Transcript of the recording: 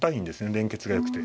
連結が良くて。